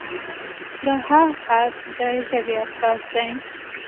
د "ه" حرف د ژبې اساس دی.